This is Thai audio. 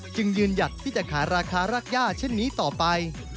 จึงยืนหยัดที่จะขายราคารากย่าเช่นนี้ต่อไป